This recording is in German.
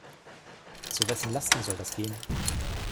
Zu wessen Lasten soll das gehen?